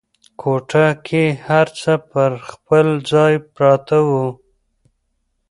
کوټه کې هر څه پر خپل ځای پراته وو.